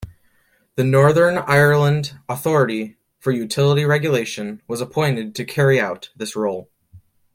The Northern Ireland Authority for Utility Regulation was appointed to carry out this role.